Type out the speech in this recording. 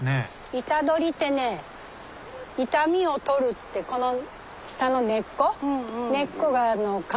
イタドリってね痛みを取るってこの下の根っこが漢方薬なのね。